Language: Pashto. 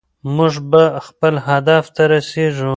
موږ به خپل هدف ته رسېږو.